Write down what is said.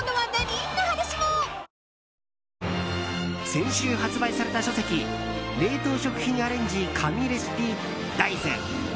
先週発売された書籍「冷凍食品アレンジ神レシピ大全」。